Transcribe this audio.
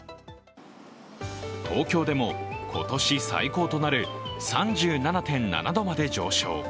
東京でも今年最高となる３７．７度まで上昇。